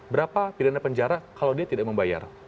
berapa pidana penjara kalau dia tidak membayar